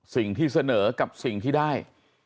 สิ่งที่เสนอกับสิ่งที่ได้